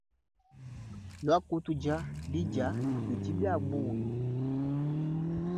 Luaku tudia bidia bidi biabunyi.